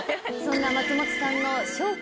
そんな松本さんの。